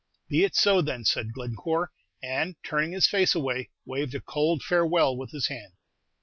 "Be it so, then," said Glencore; and, turning his face away, waved a cold farewell with his hand.